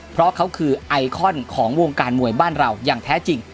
เพราะเขาคือไอคอนของวงการมวยบ้านเราอย่างแท้จริง